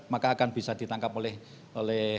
maka akan bisa ditangkap oleh